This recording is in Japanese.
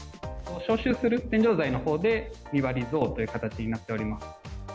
消臭する天井材のほうで、２割増という形になっております。